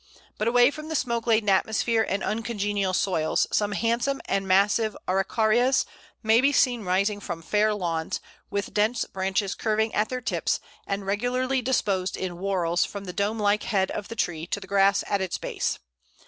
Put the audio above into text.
But away from the smoke laden atmosphere and uncongenial soils, some handsome and massive Araucarias may be seen rising from fair lawns, with dense branches curving at their tips, and regularly disposed in whorls from the dome like head of the tree to the grass at its base.